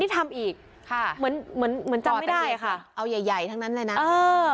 ทำอีกค่ะเหมือนเหมือนเหมือนจำไม่ได้ค่ะเอาใหญ่ใหญ่ทั้งนั้นเลยนะเออ